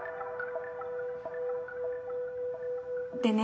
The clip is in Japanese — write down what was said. でね